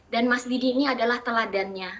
dan mas didi ini adalah teladannya